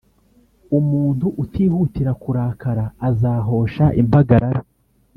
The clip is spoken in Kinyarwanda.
umuntu utihutira kurakara azahosha impagarara